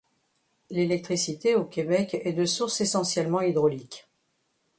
L'électricité au Québec est de source essentiellement hydraulique.